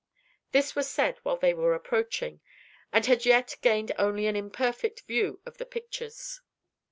This was said while they were approaching, and had yet gained only an imperfect view of the pictures.